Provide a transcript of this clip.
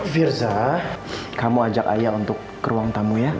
firza kamu ajak ayah untuk ke ruang tamu ya